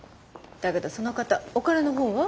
だけどその方お金の方は？